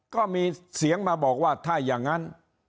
ก็มีเสียงมาบอกว่าถ้าอย่างนั้น